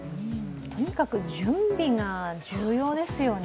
とにかく準備が重要ですよね。